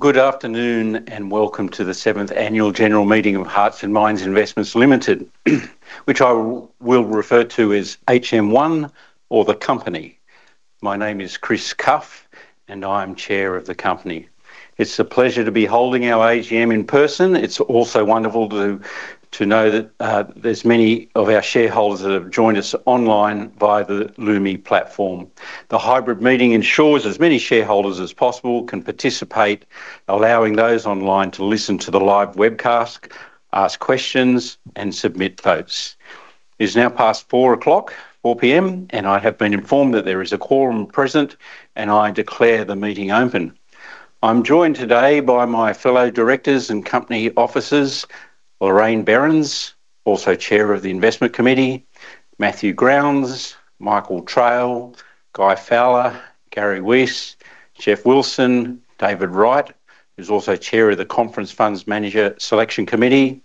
Good afternoon and welcome to the 7th Annual General Meeting of Hearts and Minds Investments Limited, which I will refer to as HM1 or The Company. My name is Chris Cuffe, and I'm Chair of The Company. It's a pleasure to be holding our AGM in person. It's also wonderful to know that there are many of our shareholders that have joined us online via the Lumi platform. The hybrid meeting ensures as many shareholders as possible can participate, allowing those online to listen to the live webcast, ask questions, and submit votes. It is now past 4:00 P.M., and I have been informed that there is a quorum present, and I declare the meeting open. I'm joined today by my fellow directors and company officers, Lorraine Berends, also Chair of the Investment Committee, Matthew Grounds, Michael Traill, Guy Fowler, Gary Weiss, Geoff Wilson, David Wright, who's also Chair of the Conference Funds Manager Selection Committee,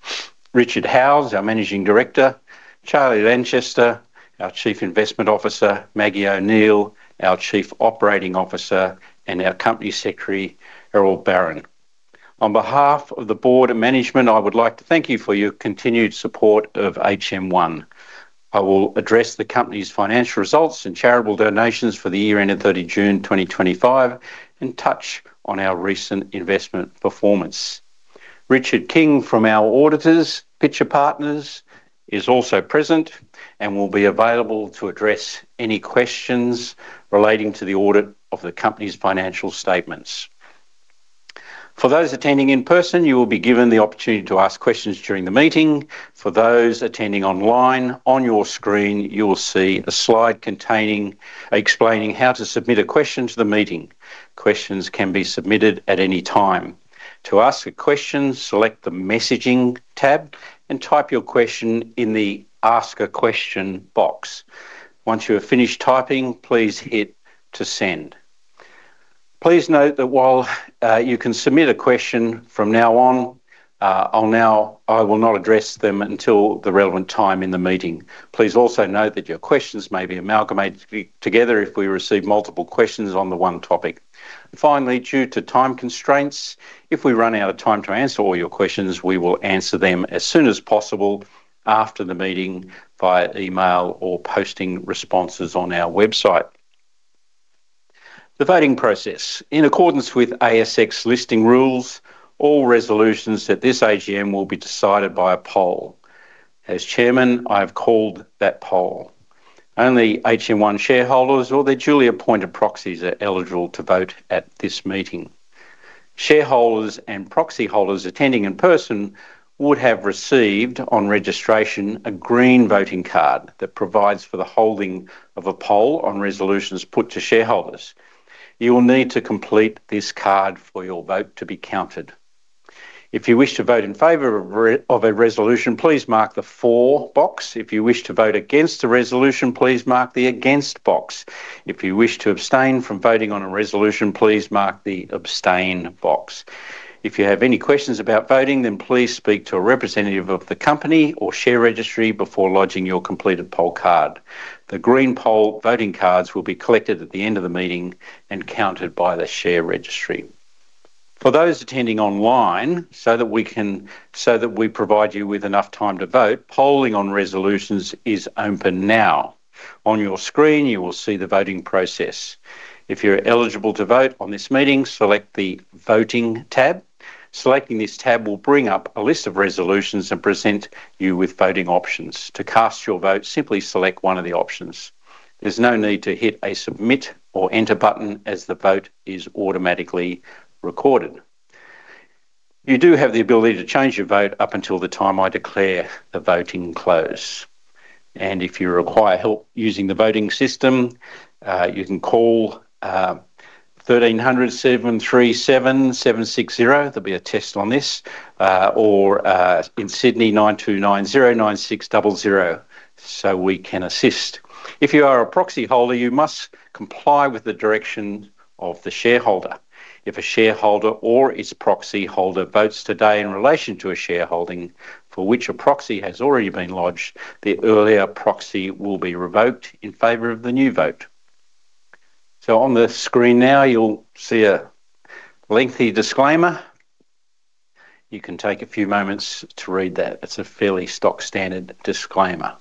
Richard Howes, our Managing Director, Charlie Lanchester, our Chief Investment Officer, Maggie O'Neill, our Chief Operating Officer, and our Company Secretary, Eryl Baron. On behalf of the Board of Management, I would like to thank you for your continued support of HM1. I will address the company's financial results and charitable donations for the year ended 30 June 2025 and touch on our recent investment performance. Richard King from our auditors, Pitcher Partners, is also present and will be available to address any questions relating to the audit of the company's financial statements. For those attending in person, you will be given the opportunity to ask questions during the meeting. For those attending online, on your screen, you'll see a slide explaining how to submit a question to the meeting. Questions can be submitted at any time. To ask a question, select the Messaging tab and type your question in the Ask a Question box. Once you have finished typing, please hit to send. Please note that while you can submit a question from now on, I will not address them until the relevant time in the meeting. Please also note that your questions may be amalgamated together if we receive multiple questions on the one topic. Finally, due to time constraints, if we run out of time to answer all your questions, we will answer them as soon as possible after the meeting via email or posting responses on our website. The voting process. In accordance with ASX listing rules, all resolutions at this AGM will be decided by a poll. As Chairman, I have called that poll. Only HM1 shareholders or their duly appointed proxies are eligible to vote at this meeting. Shareholders and proxy holders attending in person would have received on registration a green voting card that provides for the holding of a poll on resolutions put to shareholders. You will need to complete this card for your vote to be counted. If you wish to vote in favor of a resolution, please mark the for box. If you wish to vote against a resolution, please mark the against box. If you wish to abstain from voting on a resolution, please mark the abstain box. If you have any questions about voting, then please speak to a representative of the company or share registry before lodging your completed poll card. The green poll voting cards will be collected at the end of the meeting and counted by the share registry. For those attending online, so that we can provide you with enough time to vote, polling on resolutions is open now. On your screen, you will see the voting process. If you're eligible to vote on this meeting, select the Voting tab. Selecting this tab will bring up a list of resolutions and present you with voting options. To cast your vote, simply select one of the options. There's no need to hit a submit or enter button as the vote is automatically recorded. You do have the ability to change your vote up until the time I declare the voting close. If you require help using the voting system, you can call 1300 737 760. There'll be a test on this. In Sydney, 929 096 00, so we can assist. If you are a proxy holder, you must comply with the direction of the shareholder. If a shareholder or its proxy holder votes today in relation to a shareholding for which a proxy has already been lodged, the earlier proxy will be revoked in favor of the new vote. On the screen now, you'll see a lengthy disclaimer. You can take a few moments to read that. It's a fairly stock-standard disclaimer.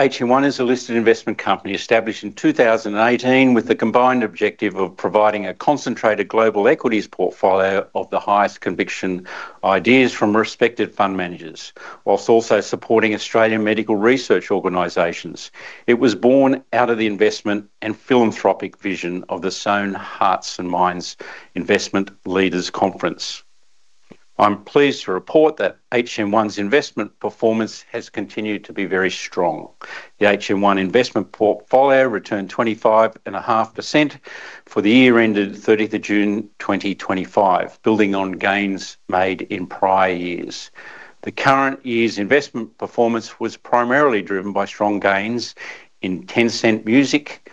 As you know, HM1 is a listed investment company established in 2018 with the combined objective of providing a concentrated global equities portfolio of the highest conviction ideas from respected fund managers, whilst also supporting Australian medical research organizations. It was born out of the investment and philanthropic vision of the Sohn Hearts and Minds Investment Leaders Conference. I'm pleased to report that HM1's investment performance has continued to be very strong. The HM1 investment portfolio returned 25.5% for the year ended 30 June 2025, building on gains made in prior years. The current year's investment performance was primarily driven by strong gains in Tencent Music,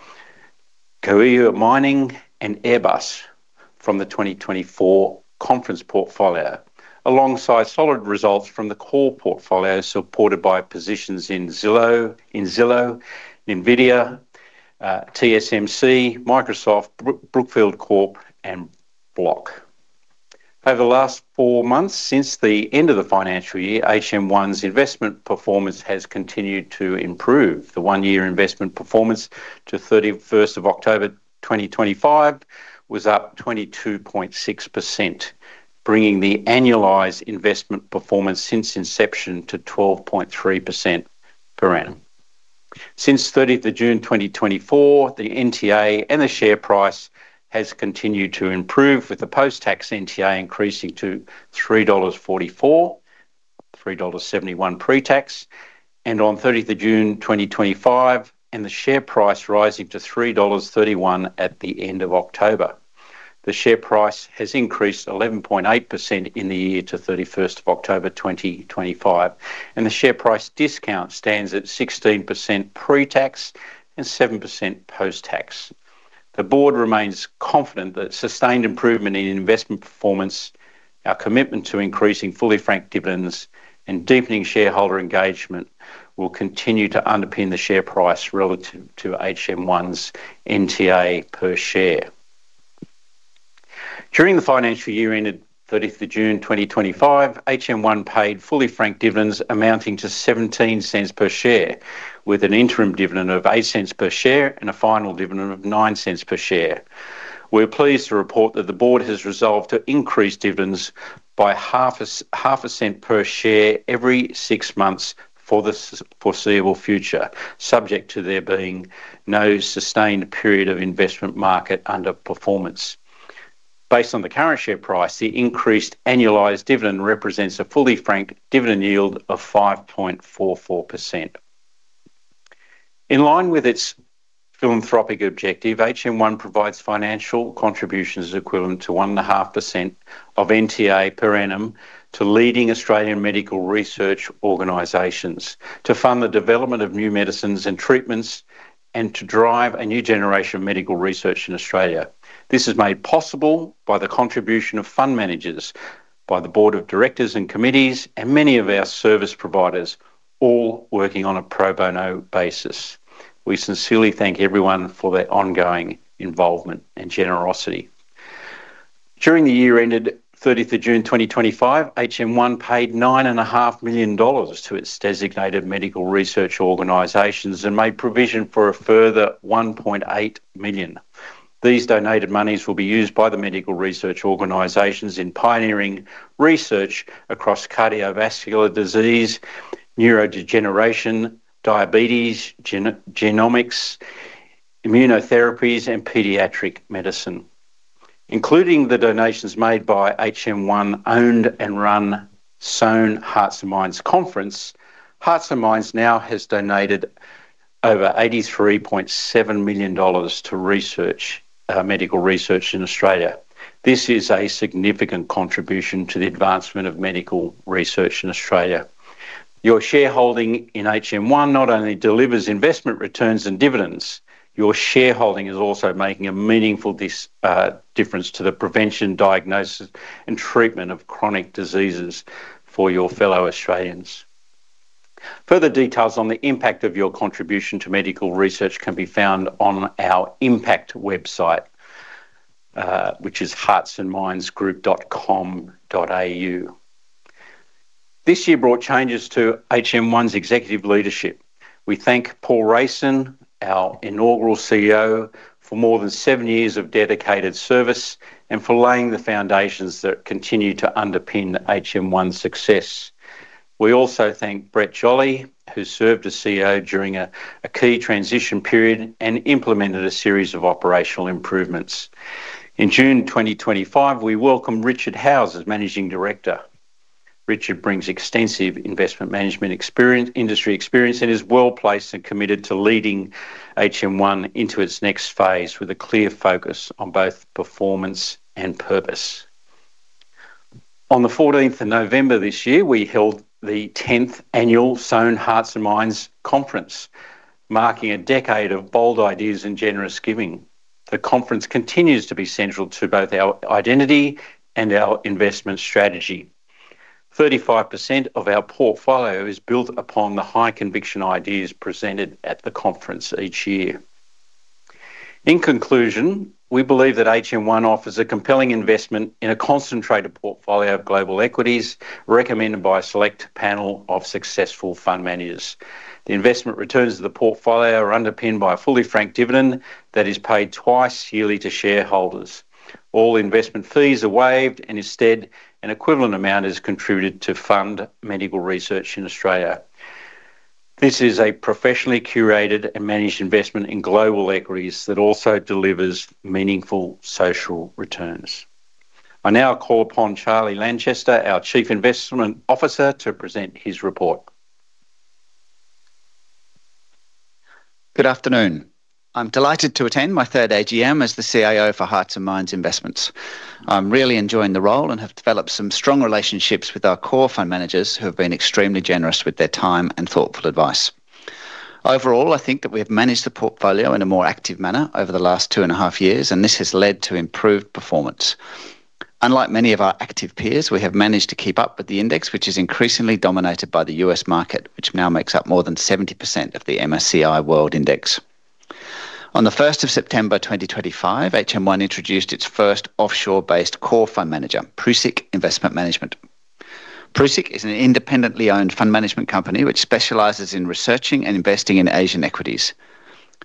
[Kongiwe] Mining, and Airbus from the 2024 conference portfolio, alongside solid results from the core portfolio supported by positions in Zillow, NVIDIA, TSMC, Microsoft, Brookfield Corp, and Block. Over the last four months since the end of the financial year, HM1's investment performance has continued to improve. The one-year investment performance to 31 October 2025 was up 22.6%, bringing the annualized investment performance since inception to 12.3% per annum. Since 30 June 2024, the NTA and the share price has continued to improve, with the post-tax NTA increasing to 3.44 dollars, 3.71 dollars pre-tax, and on 30 June 2025, and the share price rising to 3.31 dollars at the end of October. The share price has increased 11.8% in the year to 31 October 2025, and the share price discount stands at 16% pre-tax and 7% post-tax. The board remains confident that sustained improvement in investment performance, our commitment to increasing fully franked dividends, and deepening shareholder engagement will continue to underpin the share price relative to HM1's NTA per share. During the financial year ended 30 June 2025, HM1 paid fully franked dividends amounting to 0.17 per share, with an interim dividend of 0.08 per share and a final dividend of 0.09 per share. We're pleased to report that the board has resolved to increase dividends by AUD 0.50 per share every six months for the foreseeable future, subject to there being no sustained period of investment market underperformance. Based on the current share price, the increased annualized dividend represents a fully franked dividend yield of 5.44%. In line with its philanthropic objective, HM1 provides financial contributions equivalent to 1.5% of NTA per annum to leading Australian medical research organizations, to fund the development of new medicines and treatments, and to drive a new generation of medical research in Australia. This is made possible by the contribution of fund managers, by the board of directors and committees, and many of our service providers, all working on a pro bono basis. We sincerely thank everyone for their ongoing involvement and generosity. During the year ended 30 June 2025, HM1 paid 9.5 million dollars to its designated medical research organisations and made provision for a further 1.8 million. These donated monies will be used by the medical research organisations in pioneering research across cardiovascular disease, neurodegeneration, diabetes, genomics, immunotherapies, and paediatric medicine. Including the donations made by HM1-owned and run Sohn Hearts and Minds Conference, Hearts and Minds now has donated over 83.7 million dollars to medical research in Australia. This is a significant contribution to the advancement of medical research in Australia. Your shareholding in HM1 not only delivers investment returns and dividends, your shareholding is also making a meaningful difference to the prevention, diagnosis, and treatment of chronic diseases for your fellow Australians. Further details on the impact of your contribution to medical research can be found on our impact website, which is heartsandmindsgroup.com.au. This year brought changes to HM1's executive leadership. We thank Paul Rayson, our inaugural CEO, for more than seven years of dedicated service and for laying the foundations that continue to underpin HM1's success. We also thank Brett Jolie, who served as CEO during a key transition period and implemented a series of operational improvements. In June 2025, we welcome Richard Howes as Managing Director. Richard brings extensive investment management industry experience and is well placed and committed to leading HM1 into its next phase with a clear focus on both performance and purpose. On the 14th of November this year, we held the 10th Annual Sohn Hearts and Minds Conference, marking a decade of bold ideas and generous giving. The conference continues to be central to both our identity and our investment strategy. 35% of our portfolio is built upon the high conviction ideas presented at the conference each year. In conclusion, we believe that HM1 offers a compelling investment in a concentrated portfolio of global equities recommended by a select panel of successful fund managers. The investment returns of the portfolio are underpinned by a fully franked dividend that is paid twice yearly to shareholders. All investment fees are waived and instead an equivalent amount is contributed to fund medical research in Australia. This is a professionally curated and managed investment in global equities that also delivers meaningful social returns. I now call upon Charlie Lanchester, our Chief Investment Officer, to present his report. Good afternoon. I'm delighted to attend my third AGM as the CIO for Hearts and Minds Investments. I'm really enjoying the role and have developed some strong relationships with our core fund managers who have been extremely generous with their time and thoughtful advice. Overall, I think that we have managed the portfolio in a more active manner over the last two and a half years, and this has led to improved performance. Unlike many of our active peers, we have managed to keep up with the index, which is increasingly dominated by the U.S. market, which now makes up more than 70% of the MSCI World Index. On the 1st of September 2025, HM1 introduced its first offshore-based core fund manager, Prusik Investment Management. Prusik is an independently owned fund management company which specializes in researching and investing in Asian equities.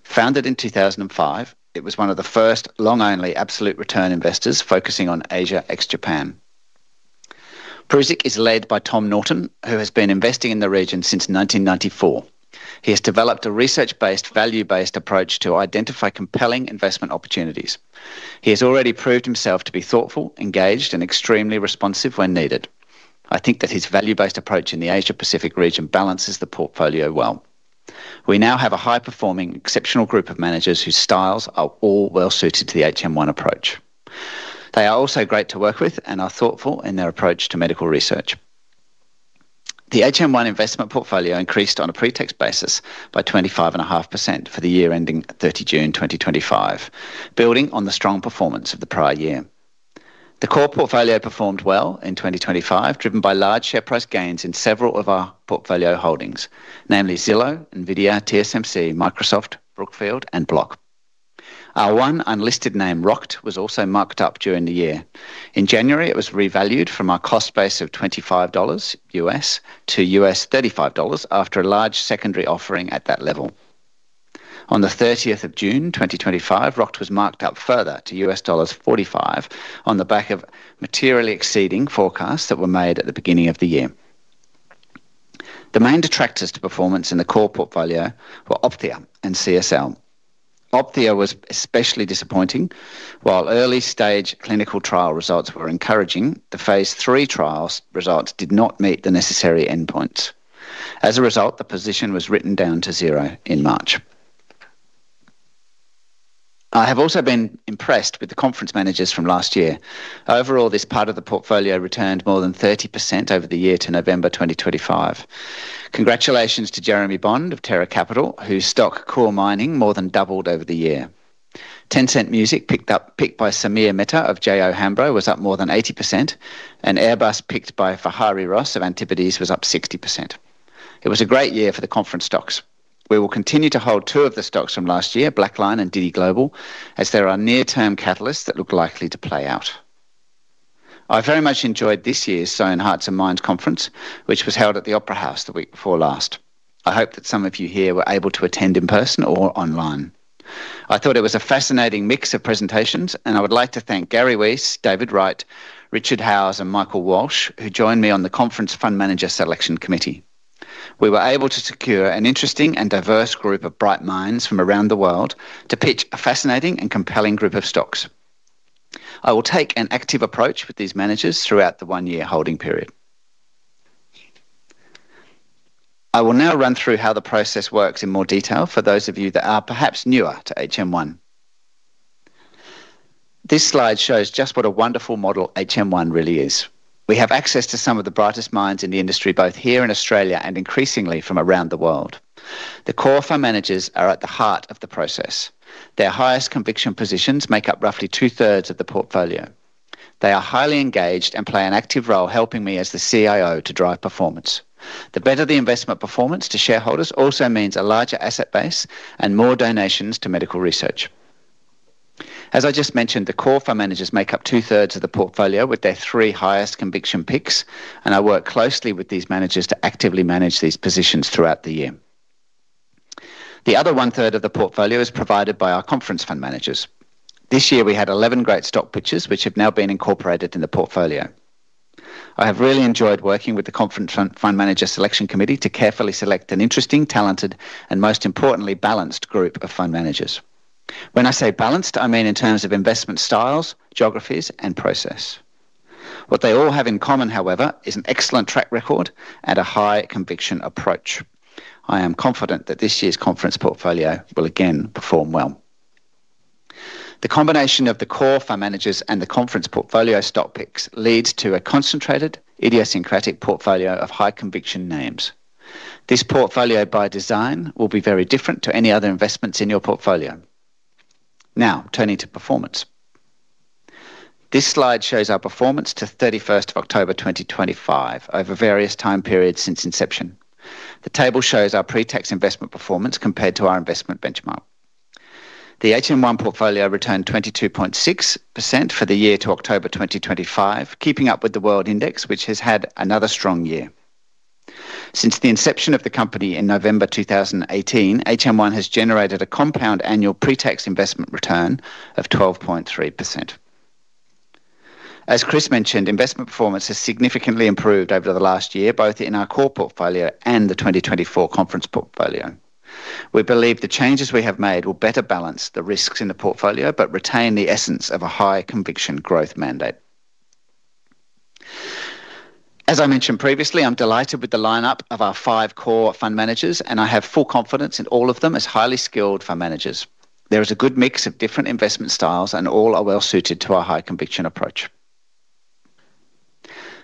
Founded in 2005, it was one of the first long-only absolute return investors focusing on Asia ex Japan. Prusik is led by Tom Naughton, who has been investing in the region since 1994. He has developed a research-based, value-based approach to identify compelling investment opportunities. He has already proved himself to be thoughtful, engaged, and extremely responsive when needed. I think that his value-based approach in the Asia-Pacific region balances the portfolio well. We now have a high-performing, exceptional group of managers whose styles are all well-suited to the HM1 approach. They are also great to work with and are thoughtful in their approach to medical research. The HM1 investment portfolio increased on a pre-tax basis by 25.5% for the year ending 30 June 2025, building on the strong performance of the prior year. The core portfolio performed well in 2025, driven by large share price gains in several of our portfolio holdings, namely Zillow, NVIDIA, TSMC, Microsoft, Brookfield, and Block. Our one unlisted name, Rokt, was also marked up during the year. In January, it was revalued from our cost base of $25 to $35 after a large secondary offering at that level. On the 30th of June 2025, Rokt was marked up further to $45 on the back of materially exceeding forecasts that were made at the beginning of the year. The main detractors to performance in the core portfolio were Opthea and CSL. Opthea was especially disappointing. While early-stage clinical trial results were encouraging, the phase three trial results did not meet the necessary endpoints. As a result, the position was written down to zero in March. I have also been impressed with the conference managers from last year. Overall, this part of the portfolio returned more than 30% over the year to November 2025. Congratulations to Jeremy Bond of TerraCapital, whose stock [Kuro] mining more than doubled over the year. Tencent Music, picked by Samir Mehta of J O Hambro, was up more than 80%, and Airbus, picked by Vihari Ross of Antipodes, was up 60%. It was a great year for the conference stocks. We will continue to hold two of the stocks from last year, BlackLine and [DD] Global, as there are near-term catalysts that look likely to play out. I very much enjoyed this year's Sohn Hearts and Minds Conference, which was held at the Opera House the week before last. I hope that some of you here were able to attend in person or online. I thought it was a fascinating mix of presentations, and I would like to thank Gary Weiss, David Wright, Richard Howes, and Michael Walsh, who joined me on the conference fund manager selection committee. We were able to secure an interesting and diverse group of bright minds from around the world to pitch a fascinating and compelling group of stocks. I will take an active approach with these managers throughout the one-year holding period. I will now run through how the process works in more detail for those of you that are perhaps newer to HM1. This slide shows just what a wonderful model HM1 really is. We have access to some of the brightest minds in the industry, both here in Australia and increasingly from around the world. The core fund managers are at the heart of the process. Their highest conviction positions make up roughly 2/3 of the portfolio. They are highly engaged and play an active role, helping me as the CIO to drive performance. The better the investment performance to shareholders also means a larger asset base and more donations to medical research. As I just mentioned, the core fund managers make up two-thirds of the portfolio with their three highest conviction picks, and I work closely with these managers to actively manage these positions throughout the year. The other 1/3 of the portfolio is provided by our conference fund managers. This year, we had 11 great stock picks, which have now been incorporated in the portfolio. I have really enjoyed working with the conference fund manager selection committee to carefully select an interesting, talented, and most importantly, balanced group of fund managers. When I say balanced, I mean in terms of investment styles, geographies, and process. What they all have in common, however, is an excellent track record and a high conviction approach. I am confident that this year's conference portfolio will again perform well. The combination of the core fund managers and the conference portfolio stock picks leads to a concentrated, idiosyncratic portfolio of high conviction names. This portfolio, by design, will be very different to any other investments in your portfolio. Now, turning to performance. This slide shows our performance to 31 October 2025 over various time periods since inception. The table shows our pre-tax investment performance compared to our investment benchmark. The HM1 portfolio returned 22.6% for the year to October 2025, keeping up with the World Index, which has had another strong year. Since the inception of the company in November 2018, HM1 has generated a compound annual pre-tax investment return of 12.3%. As Chris mentioned, investment performance has significantly improved over the last year, both in our core portfolio and the 2024 conference portfolio. We believe the changes we have made will better balance the risks in the portfolio but retain the essence of a high conviction growth mandate. As I mentioned previously, I'm delighted with the lineup of our five core fund managers, and I have full confidence in all of them as highly skilled fund managers. There is a good mix of different investment styles, and all are well-suited to our high conviction approach.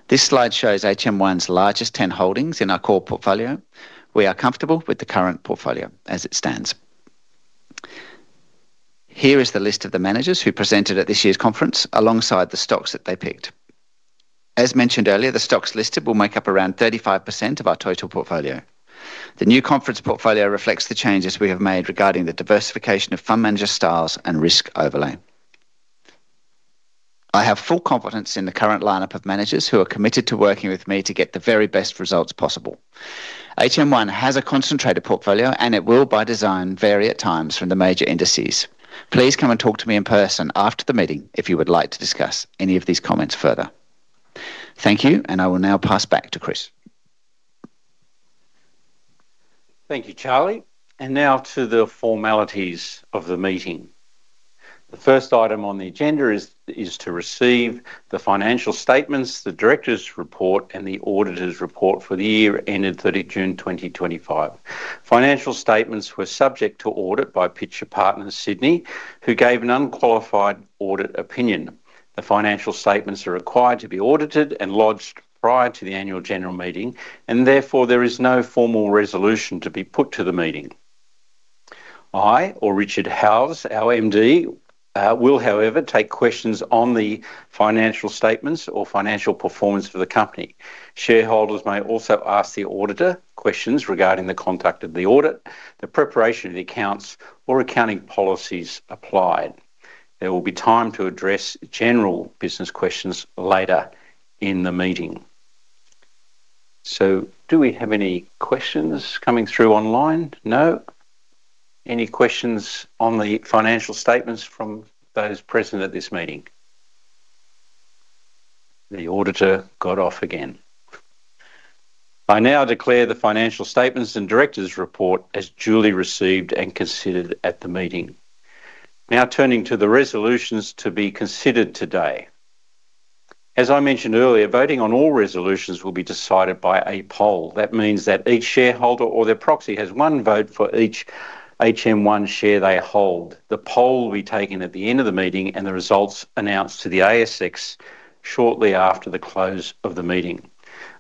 This slide shows HM1's largest 10 holdings in our core portfolio. We are comfortable with the current portfolio as it stands. Here is the list of the managers who presented at this year's conference, alongside the stocks that they picked. As mentioned earlier, the stocks listed will make up around 35% of our total portfolio. The new conference portfolio reflects the changes we have made regarding the diversification of fund manager styles and risk overlay. I have full confidence in the current lineup of managers who are committed to working with me to get the very best results possible. HM1 has a concentrated portfolio, and it will, by design, vary at times from the major indices. Please come and talk to me in person after the meeting if you would like to discuss any of these comments further. Thank you, and I will now pass back to Chris. Thank you, Charlie. Now to the formalities of the meeting. The first item on the agenda is to receive the financial statements, the director's report, and the auditor's report for the year ended 30 June 2025. Financial statements were subject to audit by Pitcher Partners Sydney, who gave an unqualified audit opinion. The financial statements are required to be audited and lodged prior to the Annual General Meeting, and therefore there is no formal resolution to be put to the meeting. I or Richard Howes, our MD, will, however, take questions on the financial statements or financial performance for the company. Shareholders may also ask the auditor questions regarding the conduct of the audit, the preparation of the accounts, or accounting policies applied. There will be time to address general business questions later in the meeting. Do we have any questions coming through online? No. Any questions on the financial statements from those present at this meeting? The auditor got off again. I now declare the financial statements and director's report as duly received and considered at the meeting. Now turning to the resolutions to be considered today. As I mentioned earlier, voting on all resolutions will be decided by a poll. That means that each shareholder or their proxy has one vote for each HM1 share they hold. The poll will be taken at the end of the meeting, and the results are announced to the ASX shortly after the close of the meeting.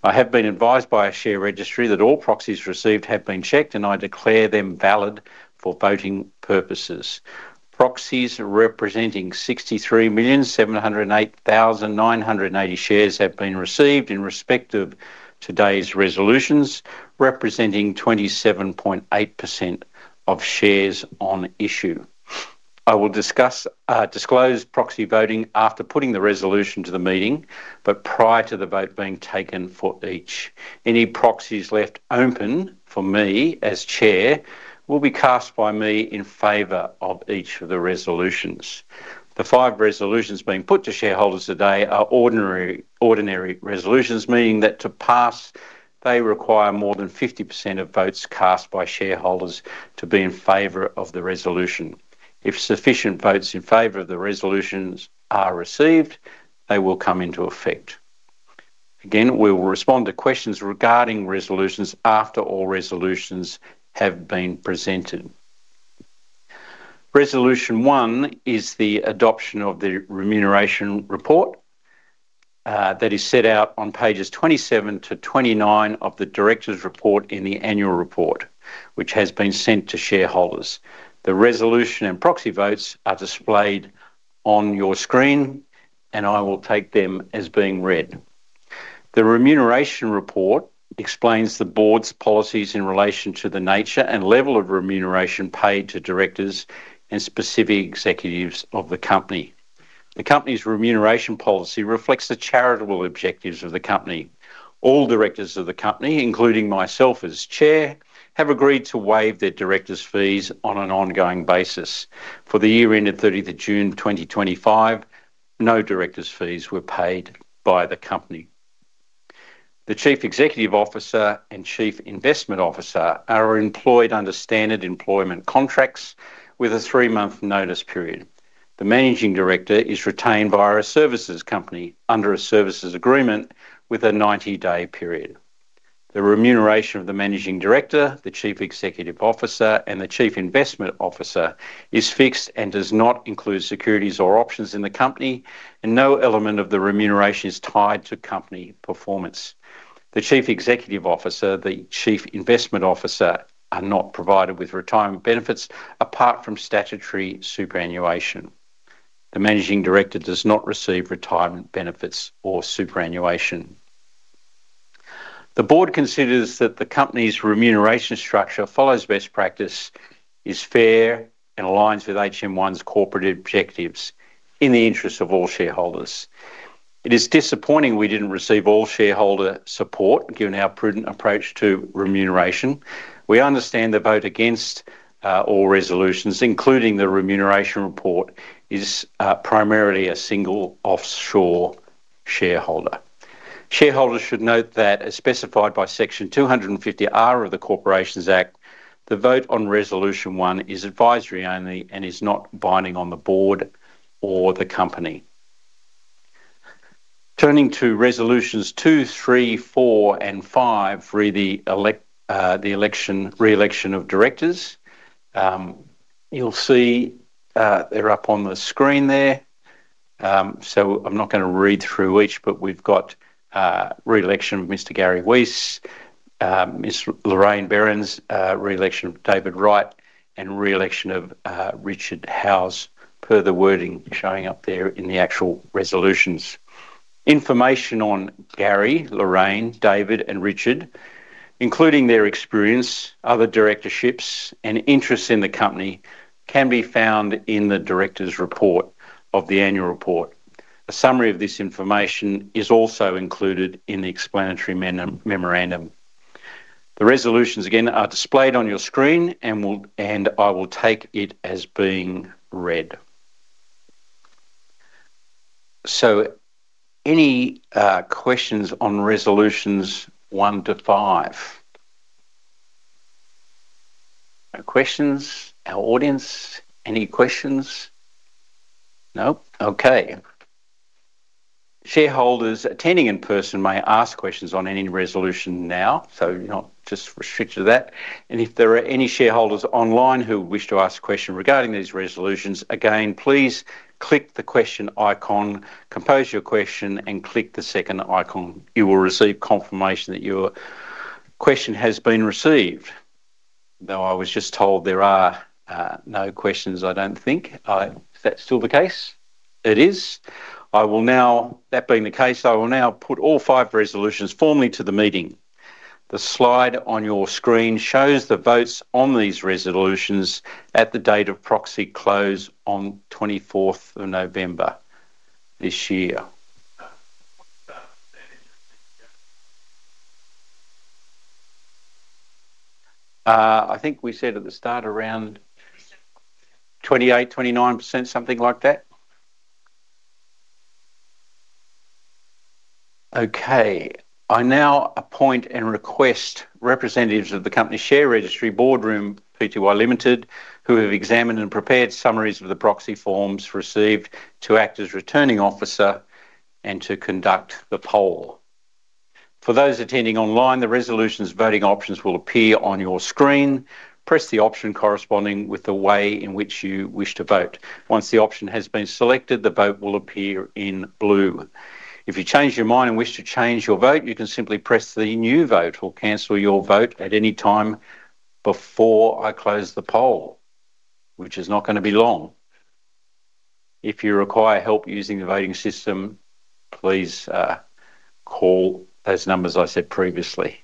I have been advised by a share registry that all proxies received have been checked, and I declare them valid for voting purposes. Proxies representing 63,708,980 shares have been received in respect of today's resolutions, representing 27.8% of shares on issue. I will disclose proxy voting after putting the resolution to the meeting, but prior to the vote being taken for each. Any proxies left open for me as chair will be cast by me in favor of each of the resolutions. The five resolutions being put to shareholders today are ordinary resolutions, meaning that to pass, they require more than 50% of votes cast by shareholders to be in favor of the resolution. If sufficient votes in favor of the resolutions are received, they will come into effect. Again, we will respond to questions regarding resolutions after all resolutions have been presented. Resolution one is the adoption of the remuneration report that is set out on pages 27 to 29 of the directors' report in the annual report, which has been sent to shareholders. The resolution and proxy votes are displayed on your screen, and I will take them as being read. The remuneration report explains the board's policies in relation to the nature and level of remuneration paid to directors and specific executives of the company. The company's remuneration policy reflects the charitable objectives of the company. All directors of the company, including myself as Chair, have agreed to waive their director's fees on an ongoing basis. For the year ended 30 June 2025, no director's fees were paid by the company. The Chief Executive Officer and Chief Investment Officer are employed under standard employment contracts with a three-month notice period. The Managing Director is retained by a services company under a services agreement with a 90-day period. The remuneration of the Managing Director, the Chief Executive Officer, and the Chief Investment Officer is fixed and does not include securities or options in the company, and no element of the remuneration is tied to company performance. The Chief Executive Officer and the Chief Investment Officer are not provided with retirement benefits apart from statutory superannuation. The Managing Director does not receive retirement benefits or superannuation. The board considers that the company's remuneration structure follows best practice, is fair, and aligns with HM1's corporate objectives in the interest of all shareholders. It is disappointing we did not receive all shareholder support given our prudent approach to remuneration. We understand the vote against all resolutions, including the remuneration report, is primarily a single offshore shareholder. Shareholders should note that, as specified by Section 250(r) of the Corporations Act, the vote on Resolution one is advisory only and is not binding on the board or the company. Turning to Resolutions two, three, four, and five for the re-election of directors, you will see they are up on the screen there. I am not going to read through each, but we have re-election of Mr. Gary Weiss, Ms. Lorraine Berends, re-election of David Wright, and re-election of Richard Howes per the wording showing up there in the actual resolutions. Information on Gary, Lorraine, David, and Richard, including their experience, other directorships, and interest in the company, can be found in the director's report of the annual report. A summary of this information is also included in the explanatory memorandum. The resolutions, again, are displayed on your screen, and I will take it as being read. Any questions on Resolutions one to five? No questions? Our audience, any questions? Nope? Okay. Shareholders attending in person may ask questions on any resolution now, not just restricted to that. If there are any shareholders online who wish to ask a question regarding these resolutions, again, please click the question icon, compose your question, and click the second icon. You will receive confirmation that your question has been received. Though I was just told there are no questions, I do not think. Is that still the case? It is. I will now, that being the case, I will now put all five resolutions formally to the meeting. The slide on your screen shows the votes on these resolutions at the date of proxy close on 24th of November this year. I think we said at the start around 28%, 29%, something like that. Okay. I now appoint and request representatives of the company share registry Boardroom, who have examined and prepared summaries of the proxy forms received to act as returning officer and to conduct the poll. For those attending online, the resolutions voting options will appear on your screen. Press the option corresponding with the way in which you wish to vote. Once the option has been selected, the vote will appear in blue. If you change your mind and wish to change your vote, you can simply press the new vote or cancel your vote at any time before I close the poll, which is not going to be long. If you require help using the voting system, please call those numbers I said previously.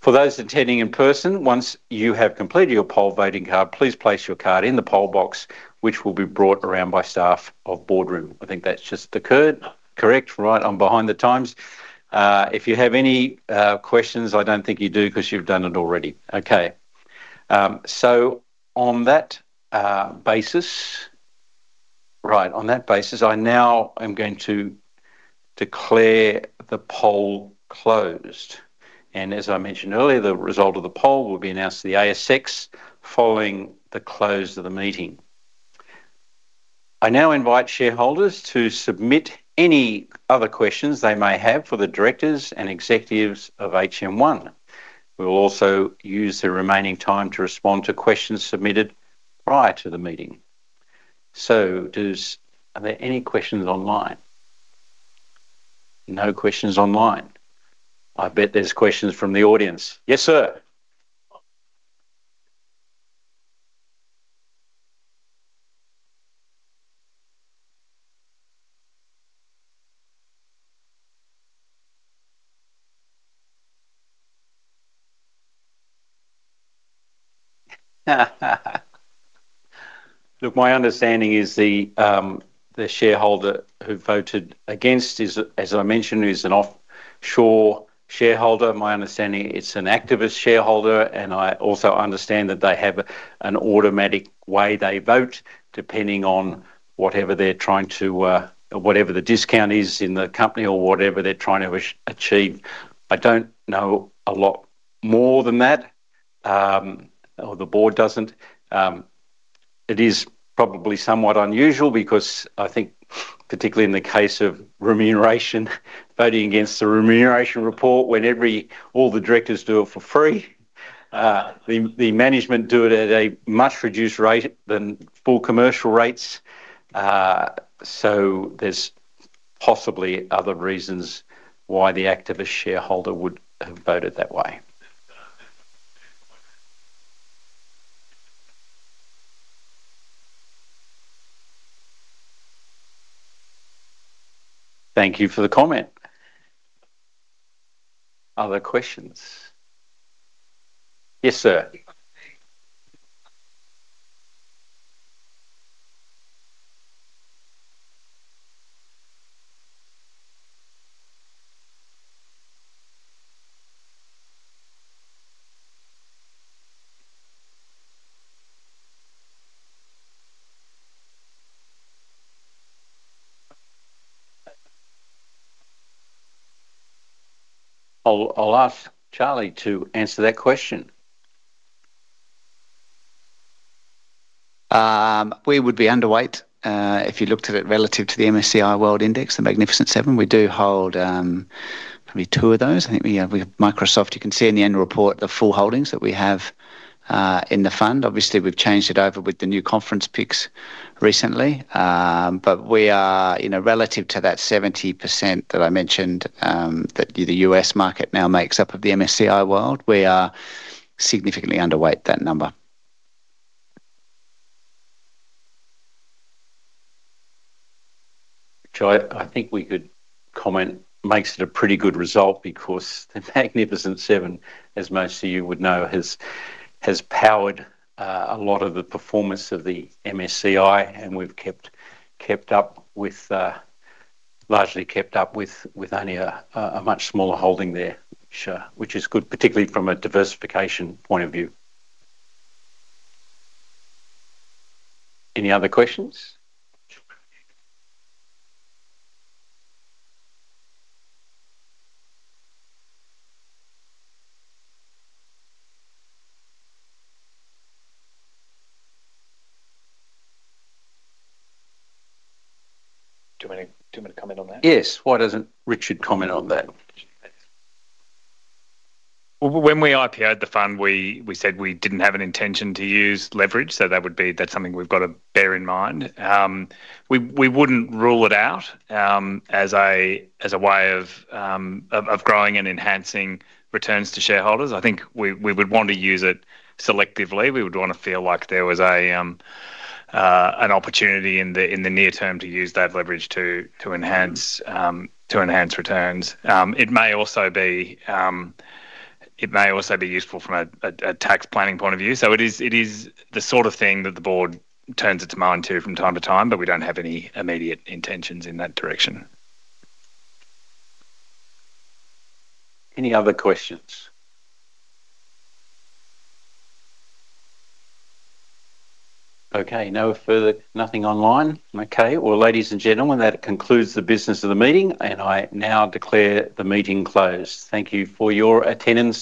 For those attending in person, once you have completed your poll voting card, please place your card in the poll box, which will be brought around by staff of Boardroom. I think that's just the current, correct? Right, I'm behind the times. If you have any questions, I don't think you do because you've done it already. Okay. On that basis, I now am going to declare the poll closed. As I mentioned earlier, the result of the poll will be announced to the ASX following the close of the meeting. I now invite shareholders to submit any other questions they may have for the directors and executives of HM1. We will also use the remaining time to respond to questions submitted prior to the meeting. Are there any questions online? No questions online. I bet there's questions from the audience. Yes, sir. Look, my understanding is the shareholder who voted against, as I mentioned, is an offshore shareholder. My understanding is it's an activist shareholder, and I also understand that they have an automatic way they vote depending on whatever they're trying to, whatever the discount is in the company or whatever they're trying to achieve. I don't know a lot more than that, or the board doesn't. It is probably somewhat unusual because I think, particularly in the case of remuneration, voting against the remuneration report when all the directors do it for free, the management do it at a much reduced rate than full commercial rates. So there are possibly other reasons why the activist shareholder would have voted that way. Thank you for the comment. Other questions? Yes, sir. I'll ask Charlie to answer that question. We would be underweight if you looked at it relative to the MSCI World Index, the Magnificent Seven. We do hold maybe two of those. I think we have Microsoft. You can see in the annual report the full holdings that we have in the fund. Obviously, we've changed it over with the new conference picks recently. We are, relative to that 70% that I mentioned, that the U.S. market now makes up of the MSCI World, significantly underweight that number. I think we could comment. Makes it a pretty good result because the Magnificent Seven, as most of you would know, has powered a lot of the performance of the MSCI, and we've kept up with, largely kept up with, with only a much smaller holding there, which is good, particularly from a diversification point of view. Any other questions? Yes. Why doesn't Richard comment on that? When we IPO'd the fund, we said we didn't have an intention to use leverage, so that would be, that's something we've got to bear in mind. We wouldn't rule it out as a way of growing and enhancing returns to shareholders. I think we would want to use it selectively. We would want to feel like there was an opportunity in the near term to use that leverage to enhance returns. It may also be useful from a tax planning point of view. It is the sort of thing that the board turns its mind to from time to time, but we don't have any immediate intentions in that direction. Any other questions? Okay. No further, nothing online. Okay. Ladies and gentlemen, that concludes the business of the meeting, and I now declare the meeting closed. Thank you for your attendance.